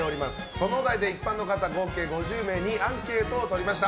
そのお題で一般の方合計５０名にアンケートを取りました。